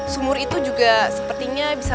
sumur itu juga sepertinya bisa